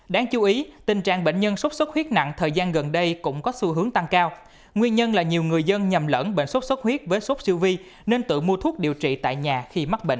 đáng chú ý tình trạng bệnh nhân sốt xuất huyết nặng thời gian gần đây cũng có xu hướng tăng cao nguyên nhân là nhiều người dân nhầm lẫn bệnh sốt xuất huyết với sốt siêu vi nên tự mua thuốc điều trị tại nhà khi mắc bệnh